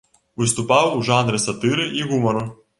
Выступаў у жанры сатыры і гумару.